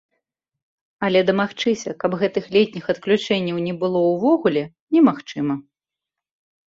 Але дамагчыся, каб гэтых летніх адключэнняў не было ўвогуле, немагчыма.